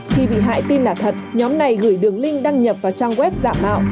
khi bị hại tin là thật nhóm này gửi đường link đăng nhập vào trang web giả mạo